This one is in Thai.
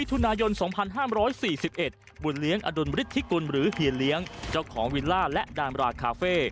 ทุนายน๒๕๔๑บุญเลี้ยงอดุลบฤทธิกุลหรือเฮียเลี้ยงเจ้าของวิลล่าและดามราคาเฟ่